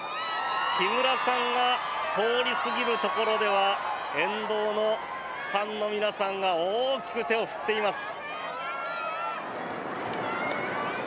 木村さんが通り過ぎるところでは沿道のファンの皆さんが大きく手を振っています。